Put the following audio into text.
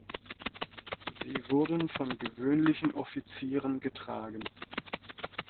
Sie wurden von gewöhnlichen Offizieren getragen.